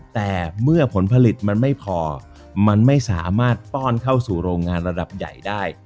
แต่เมื่อผลผลิตมันไม่พอมันไม่สามารถป้อนเข้าสู่โรงงานระดับใหญ่ได้